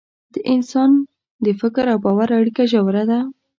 د انسان د فکر او باور اړیکه ژوره ده.